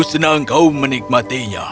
aku senang kau menikmatinya